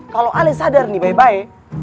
kalau ali sadar nih baik baik